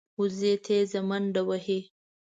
وزې تېزه منډه وهي